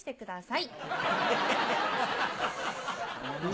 はい。